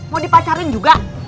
mau dipacarin juga